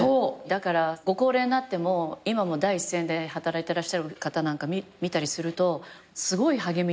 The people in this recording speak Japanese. だからご高齢になっても今も第一線で働いてらっしゃる方見たりするとすごい励みにもなるし。